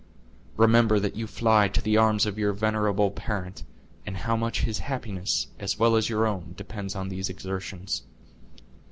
Remember that you fly to the arms of your venerable parent, and how much his happiness, as well as your own, depends on those exertions."